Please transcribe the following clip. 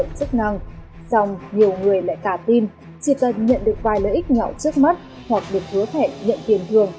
nếu các đối tượng có thể nhận được vài lợi ích nhỏ trước mắt hoặc được hứa thẻ nhận tiền thường